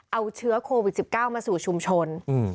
เอาเชื้อโควิด๑๙มาสู่ชุมชน